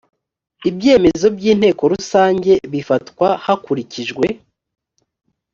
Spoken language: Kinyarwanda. ibyemezo by inteko rusange bifatwa hakurikijwe